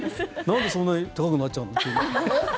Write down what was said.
なんでそんなに高くなっちゃうの？